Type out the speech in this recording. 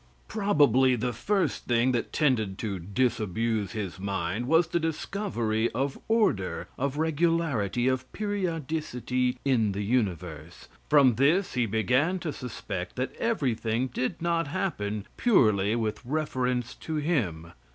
Probably, the first thing that tended to disabuse his mind was the discovery of order, of regularity, of periodicity in the universe. From this he began to suspect that everything did not happen purely with reference to him.